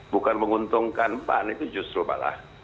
bukan menguntungkan pan itu justru malah